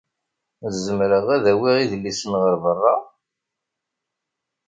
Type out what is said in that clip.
Zemreɣ ad awiɣ idlisen ɣer berra?